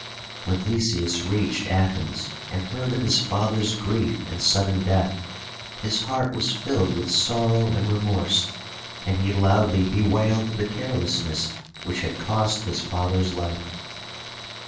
When Theseus reached Athens, and heard of his father's grief and sudden death, his heart was filled with sorrow and remorse, and he loudly bewailed the carelessness which had cost his father's life.